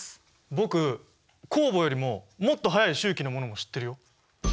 僕酵母よりももっと早い周期のものも知ってるよ。